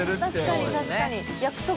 確かに確かに。